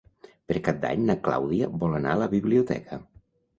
Per Cap d'Any na Clàudia vol anar a la biblioteca.